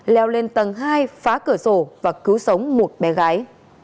leo lên tầng hai phá cửa sổ và cứu sống một bé gái